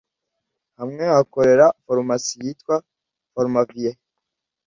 hamwe hakorera farumasi yitwa Farma vie